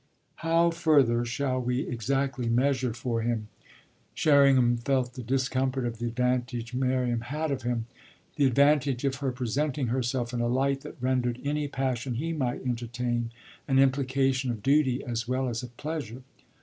How, further, shall we exactly measure for him Sherringham felt the discomfort of the advantage Miriam had of him the advantage of her presenting herself in a light that rendered any passion he might entertain an implication of duty as well as of pleasure?